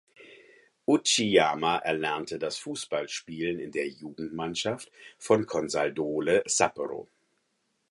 Uchiyama erlernte das Fußballspielen in der Jugendmannschaft von Consadole Sapporo.